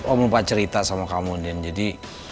om lupa cerita sama kamu dien jadi